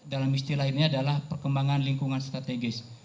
dalam istilah ini adalah perkembangan lingkungan strategis